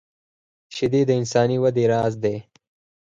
شیدې د انساني وده راز دي